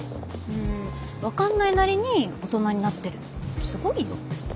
うん分かんないなりに大人になってるすごいよ。